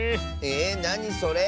えなにそれ。